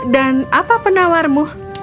dan apa penawarmu